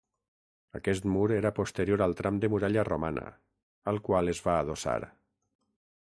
Aquest mur era posterior al tram de muralla romana, al qual es va adossar.